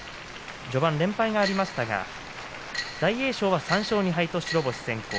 序盤は連敗がありましたが大栄翔は３勝２敗と白星先行。